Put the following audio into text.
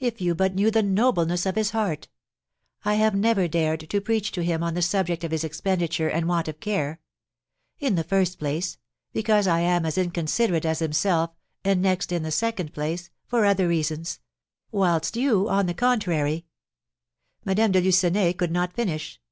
If you but knew the nobleness of his heart! I have never dared to preach to him on the subject of his expenditure and want of care: in the first place, because I am as inconsiderate as himself, and next, in the second place, for other reasons; whilst you, on the contrary " Madame de Lucenay could not finish.